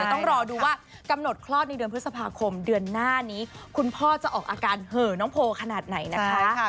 ต้องรอดูว่ากำหนดคลอดในเดือนพฤษภาคมเดือนหน้านี้คุณพ่อจะออกอาการเห่อน้องโพขนาดไหนนะคะ